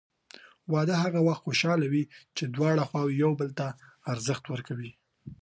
واده هغه وخت خوشحاله وي چې دواړه خواوې یو بل ته ارزښت ورکړي.